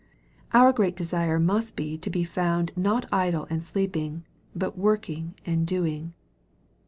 Our great desire must be to be found not idle and sleeping, but working and doing.